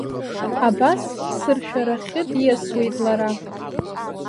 Абас сыршәарахьы диасуеит лара.